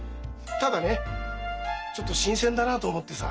ただねちょっと新鮮だなあと思ってさ。